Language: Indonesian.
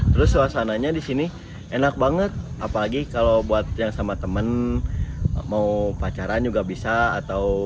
terus suasananya di sini enak banget apalagi kalau buat yang sama temen mau pacaran juga bisa atau